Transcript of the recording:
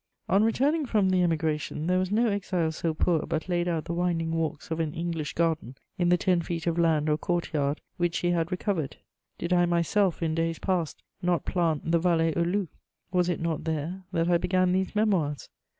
On returning from the Emigration, there was no exile so poor but laid out the winding walks of an English garden in the ten feet of land or court yard which he had recovered: did I myself, in days past, not plant the Vallée aux Loups? Was it not there that I began these Memoirs?